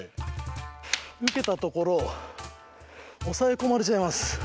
受けたところを抑え込まれちゃいます。